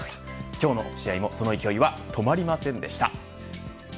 今日の試合もその勢いは止まりませんでした。